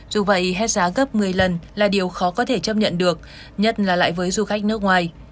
dù vậy hết giá gấp một mươi lần là điều khó có thể chấp nhận được nhất là lại với du khách nước ngoài